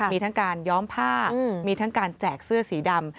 มีทั้งการย้อมผ้ามีทั้งการแจกเสื้อสีดำ